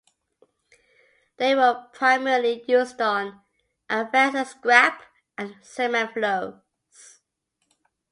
They were primarily used on Advenza's scrap and cement flows.